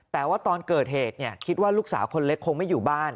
แต่ว่าตอนเกิดเหตุคิดว่าลูกสาวคนเล็กคงไม่อยู่บ้าน